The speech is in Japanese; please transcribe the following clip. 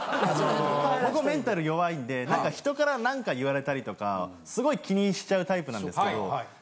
僕もメンタル弱いんで人から何か言われたりとかすごい気にしちゃうタイプなんですけど。